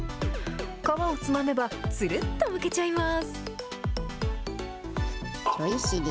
皮をつまめばつるっとむけちゃいます。